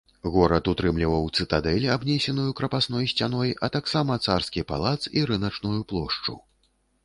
Горад утрымліваў цытадэль, абнесеную крапасной сцяной, а таксама царскі палац і рыначную плошчу.